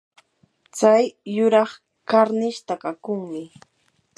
tsay yuraq karnish takakunmi.